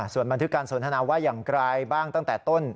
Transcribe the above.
ส่วนบันทึกการสนทนาว่าอย่างไรบ้างตั้งแต่ต้น